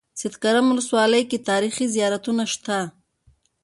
سیدکرم ولسوالۍ کې تاریخي زيارتونه شته.